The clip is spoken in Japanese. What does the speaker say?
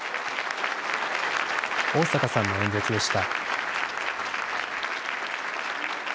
逢坂さんの演説でした。